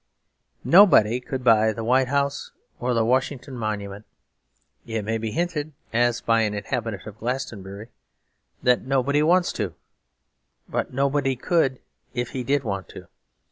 Nobody could buy the White House or the Washington Monument; it may be hinted (as by an inhabitant of Glastonbury) that nobody wants to; but nobody could if he did want to.